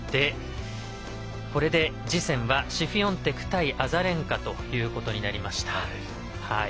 これで次戦はシフィオンテク対アザレンカになりました。